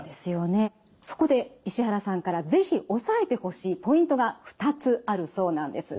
そこで石原さんから是非押さえてほしいポイントが２つあるそうなんです。